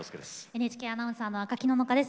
ＮＨＫアナウンサーの赤木野々花です。